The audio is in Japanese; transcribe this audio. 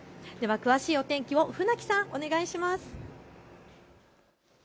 では詳しいお天気を船木さん、お願いします。